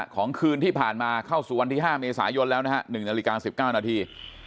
คืนที่ผ่านมาเข้าสู่วันที่๕เมษายนแล้วนะฮะ๑นาฬิกา๑๙นาที